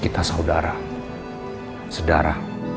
kita saudara sedara